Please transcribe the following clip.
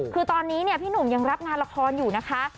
คือตอนนี้เนี่ยพี่หนุ่มยังรับงานละครอยู่นะคะ